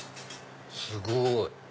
すごい！